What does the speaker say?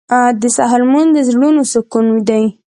• د سهار لمونځ د زړونو سکون دی.